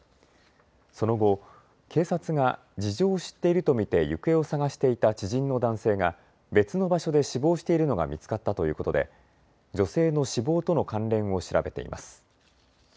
その後、警察が事情を知っていると見て行方を捜していた知人の男性が別の場所で死亡しているのが見つかったということで女性の死亡との関連を調べています。